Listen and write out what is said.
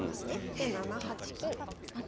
で７八金。